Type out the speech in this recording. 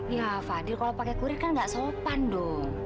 ya fadhil kalau pakai kurir kan nggak sopan dong